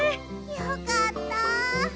よかった。